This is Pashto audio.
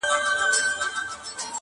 موږکان د غار په خوله کي ګرځېدله-